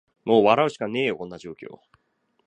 もう笑うしかねーよ、こんな状況